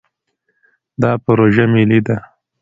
دا پروژه ملي ده.